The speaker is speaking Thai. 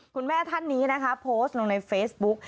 คุณแม่ท่านนี้นะคะโพสต์ลงในเฟซบุ๊ก